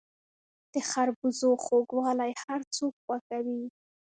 د خربوزو خوږوالی هر څوک خوښوي.